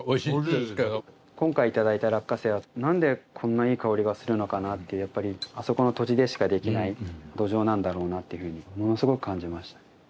今回頂いた落花生はなんでこんないい香りがするのかなってやっぱりあそこの土地でしかできない土壌なんだろうなっていうふうにものすごく感じました。